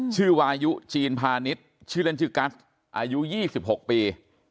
ชื่อวายุจีนพาณิชย์ชื่อเล่นชื่อกัสอายุ๒๖ปี